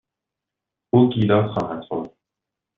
او گیلاس خواهد خورد.